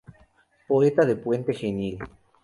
Poeta de Puente Genil.